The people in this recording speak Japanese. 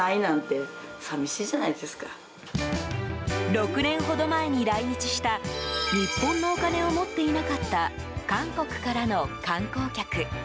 ６年ほど前に来日した日本のお金を持っていなかった韓国からの観光客。